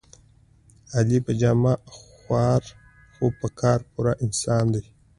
علي په جامه خوار خو په کار پوره انسان دی.